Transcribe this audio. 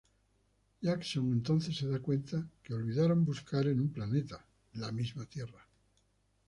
Jackson entonces se da cuenta que olvidaron buscar en un planeta: la misma Tierra.